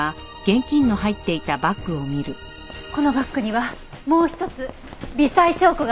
このバッグにはもう一つ微細証拠が付着していたわ。